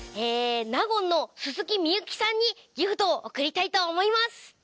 納言の薄幸さんにギフトを贈りたいと思います。